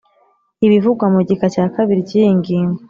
Ibivugwa mu gika cya kabiri cy iyi ngingo